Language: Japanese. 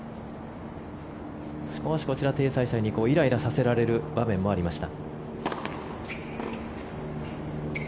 少しこちら、テイ・サイサイにイライラさせられる場面もありました。